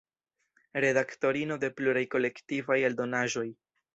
Redaktorino de pluraj kolektivaj eldonaĵoj.